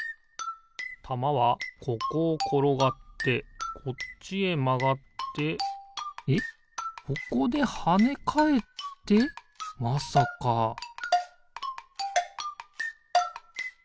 たまはここをころがってこっちへまがってえっここではねかえってまさかピッ！